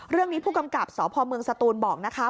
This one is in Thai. เรื่องนี้ผู้กำกับสพเมืองสตูนบอกนะคะ